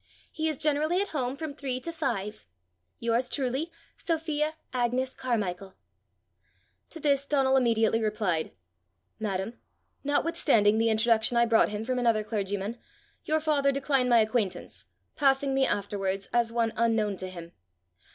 He is generally at home from three to five. Yours truly, Sophia Agnes Carmichael." To this Donal immediately replied: "Madam, notwithstanding the introduction I brought him from another clergyman, your father declined my acquaintance, passing me afterwards as one unknown to him.